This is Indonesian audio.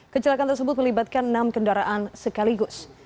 kecelakaan tersebut melibatkan enam kendaraan sekaligus